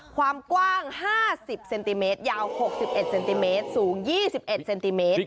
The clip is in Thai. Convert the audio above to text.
ความกว้าง๕๐เซนติเมตรยาว๖๑เซนติเมตรสูง๒๑เซนติเมตร